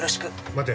待て。